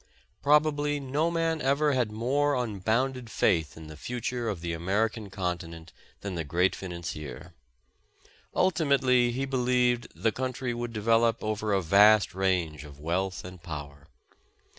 Probably no man ever had more unbounded faith in the future of the American conti nent than the great financier. Ultimately, he believed, that the country would develop over a vast range of wealth and power.